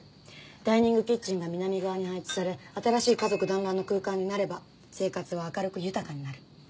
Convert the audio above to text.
ダイニングキッチンが南側に配置され新しい家族団らんの空間になれば生活は明るく豊かになる。